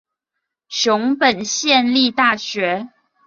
熊本县立大学